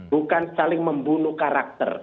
bukan saling membunuh karakter